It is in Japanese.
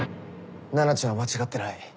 菜奈ちゃんは間違ってない。